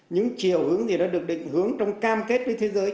những chiều hướng gì đã được định hướng trong cam kết với thế giới